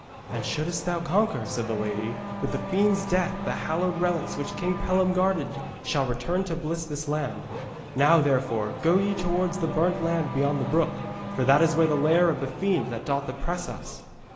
'And shouldst thou conquer,' said the lady, 'with the fiend's death the hallowed relics which King Pellam guarded shall return to bless this land. Now, therefore, go ye towards the Burnt Land beyond the brook, for that is where is the lair of the fiend that doth oppress us.'